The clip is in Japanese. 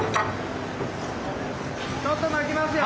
・ちょっと巻きますよ！